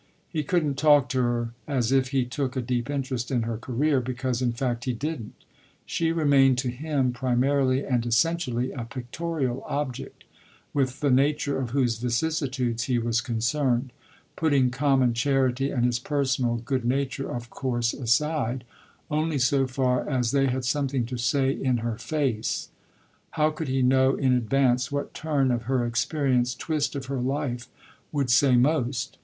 He couldn't talk to her as if he took a deep interest in her career, because in fact he didn't; she remained to him primarily and essentially a pictorial object, with the nature of whose vicissitudes he was concerned putting common charity and his personal good nature of course aside only so far as they had something to say in her face. How could he know in advance what turn of her experience, twist of her life, would say most?